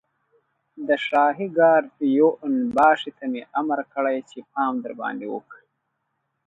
د شاهي ګارډ يوه اون باشي ته مې امر کړی چې پام درباندې وکړي.